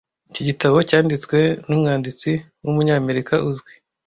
Iki gitabo cyanditswe numwanditsi wumunyamerika uzwi.